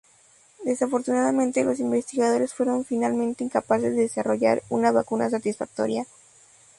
Desafortunadamente, los investigadores fueron finalmente incapaces de desarrollar una vacuna satisfactoria.